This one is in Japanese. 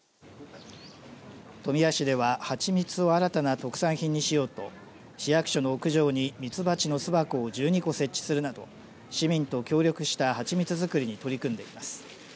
富谷市では、蜂蜜を新たな特産品にしようと市役所の屋上にミツバチの巣箱を１２個設置するなど市民と協力した蜂蜜づくりに取り組んでいます。